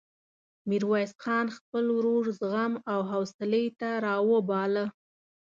ميرويس خان خپل ورور زغم او حوصلې ته راوباله.